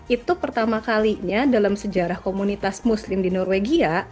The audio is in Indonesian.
itu pertama kalinya dalam sejarah komunitas muslim di norwegia